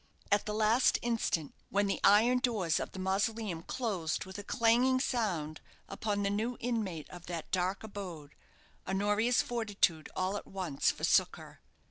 At the last instant, when the iron doors of the mausoleum closed with a clanging sound upon the new inmate of that dark abode, Honoria's fortitude all at once forsook her.